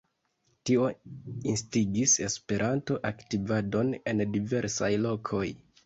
Tio instigis Esperanto-aktivadon en diversaj lokoj.